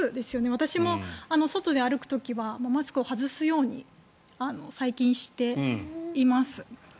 私も外で歩く時はマスクを外すように最近しています。